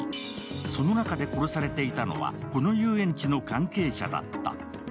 その中で殺されていたのはこの遊園地の関係者だった。